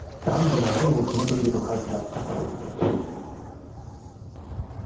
［男女の縁を決めてると書いてあった！］